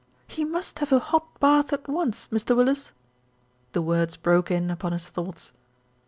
"He must have a hot bath at once, Mr. Willis." The words broke in upon his thoughts.